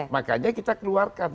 makanya kita keluarkan